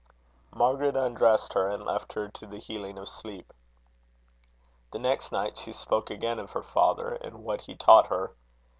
Margaret undressed her, and left her to the healing of sleep. The next night she spoke again of her father, and what he taught her.